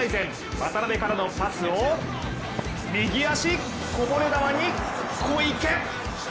渡辺からのパスを右足こぼれ球に小池。